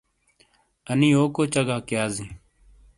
انی یوکو چگاک یازی ؟